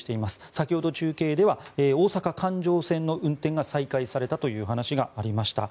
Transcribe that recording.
先ほど中継では大阪環状線の運転が再開されたという話がありました。